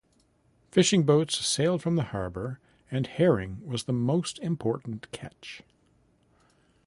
Fishing boats sailed from the harbour and herring was the most important catch.